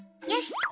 よし！